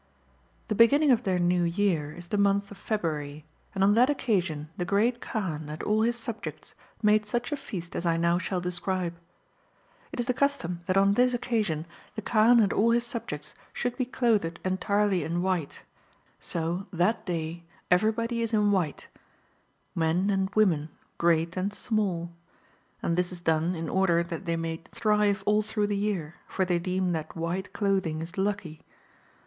Ti iE beginning of their New Year is the month of February, and on that occasion the Great Kaan and all his subjects made such a Feast as I now shall describe. It is the custom that on this occasion the Kaan and all his subjects should be clothed entirely in white ; so, that day, everybody is in white, men and women, great and small. And this is done in order that they may thrive all through the year, for they deem that white clothing is lucky.